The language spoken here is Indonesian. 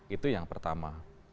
itu yang pertama